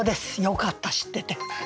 よかった知ってて。